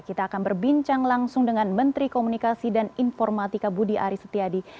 kita akan berbincang langsung dengan menteri komunikasi dan informatika budi aris setiadi